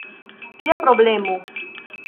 Kia problemo?